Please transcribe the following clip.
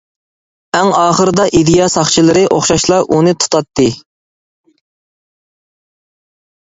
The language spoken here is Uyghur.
ئەڭ ئاخىرىدا ئىدىيە ساقچىلىرى ئوخشاشلا ئۇنى تۇتاتتى.